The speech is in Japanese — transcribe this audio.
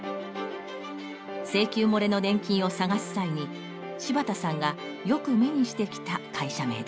請求もれの年金を探す際に柴田さんがよく目にしてきた会社名です。